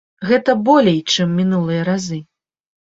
Гэта болей, чым мінулыя разы.